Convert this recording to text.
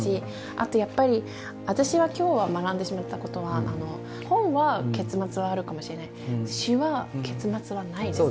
あとやっぱり私が今日学んでしまった事は本は結末はあるかもしれない詩は結末はないです。